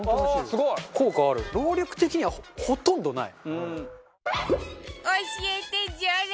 労力的にはほとんどない。